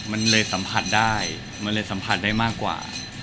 มันเลยสัมผัสได้มันเลยสัมผัสได้มากกว่า